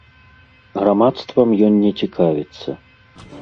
Грамадствам ён не цікавіцца.